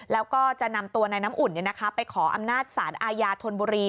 แล้วก็จะนำตัวนายน้ำอุ่นไปขออำนาจสารอาญาธนบุรี